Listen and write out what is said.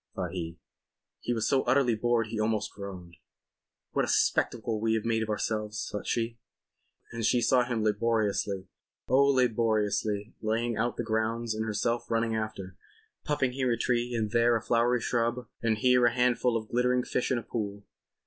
thought he. He was so utterly bored he almost groaned. "What a spectacle we have made of ourselves," thought she. And she saw him laboriously—oh, laboriously—laying out the grounds and herself running after, putting here a tree and there a flowery shrub and here a handful of glittering fish in a pool.